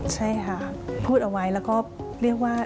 ใช่ค่ะพูดเอาไว้แล้วก็เรียกว่า